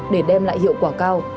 để đem lại hiệu quả cao